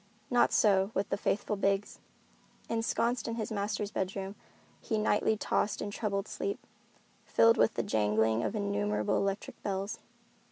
Not so with the faithful Biggs. Ensconced in his master's bedroom, he nightly tossed in troubled sleep, filled with the jangling of innumerable electric bells.